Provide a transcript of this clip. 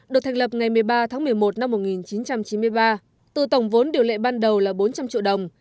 được thành lập ngày một mươi ba tháng một mươi một năm một nghìn chín trăm chín mươi ba từ tổng vốn điều lệ ban đầu là bốn trăm linh triệu đồng